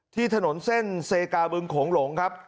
ที่ถนนเส้นเซกาบึงโขงหลงครับ